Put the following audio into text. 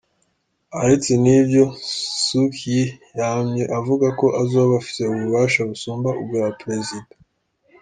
Aretse n’ivyo, Suu Kyi yamye avuga ko azoba afise ububasha busumba ubwa prezida.